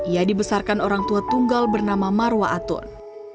ia dibesarkan orang tua tunggal bernama marwa atun